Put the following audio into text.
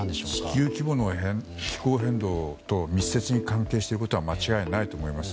地球規模の気候変動と密接に関係していることは間違いないと思います。